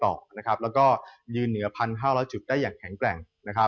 แล้วก็ยืนเหนือ๑๕๐๐จุดได้อย่างแข็งแกร่ง